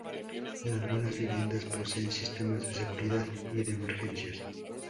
En algunas viviendas poseen sistemas de seguridad y de emergencias.